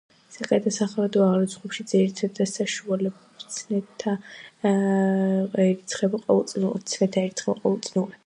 საგადასახადო აღრიცხვაში ძირითად საშუალებებს ცვეთა ერიცხება ყოველწლიურად.